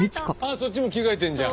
そっちも着替えてるじゃん。